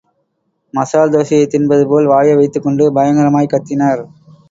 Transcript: மசால் தோசையை திண்பது போல் வாயை வைத்துக்கொண்டு பயங்கரமாய்க் கத்தினார்.